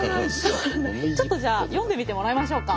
ちょっとじゃあ読んでみてもらいましょうか。